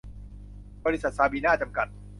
บริษัท ซาบีน่า จำกัด